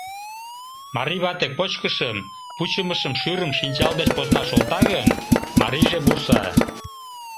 Марий вате кочкышым: пучымышым, шӱрым — шинчал деч посна шолта гын, марийже вурса: